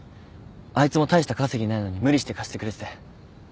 あいつも大した稼ぎないのに無理して貸してくれてて。